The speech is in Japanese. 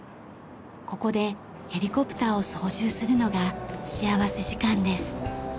ここでヘリコプターを操縦するのが幸福時間です。